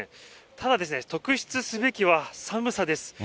ただ、特筆すべきは寒さです。